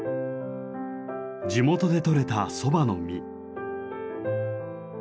地元でとれたそばの実。